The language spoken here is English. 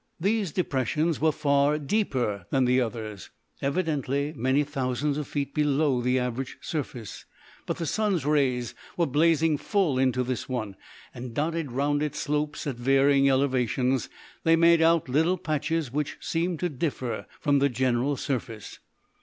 These depressions were far deeper than the others, evidently many thousands of feet below the average surface, but the sun's rays were blazing full into this one, and, dotted round its slopes at varying elevations, they made out little patches which seemed to differ from the general surface.